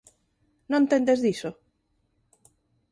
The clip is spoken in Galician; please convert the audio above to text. Non tendes diso?